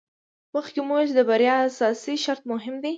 مخکې مو وویل چې د بریا اساسي شرط مهم دی.